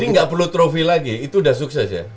jadi nggak perlu trophy lagi itu sudah sukses ya